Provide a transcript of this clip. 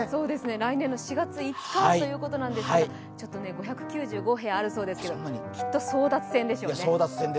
来年の４月５日ということですが、５９５部屋あるそうですが、きっと争奪戦でしょうね。